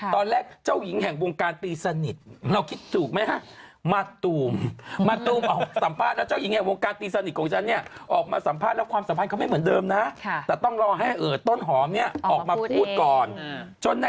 เจ้าหญิงแห่งวงการตีสนิทเราคิดถูกไหมฮะ